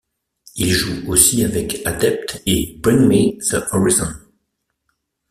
Ils jouent aussi avec Adept et Bring Me the Horizon.